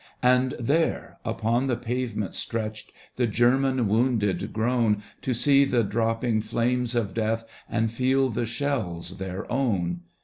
And there, upon the pavement stretched. The German wounded groan To see the dropping flames of death And feel the shells their own.